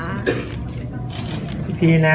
อันนี้ก็มองดูนะคะ